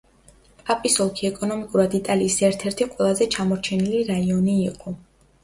პაპის ოლქი ეკონომიკურად იტალიის ერთ-ერთი ყველაზე ჩამორჩენილი რაიონი იყო.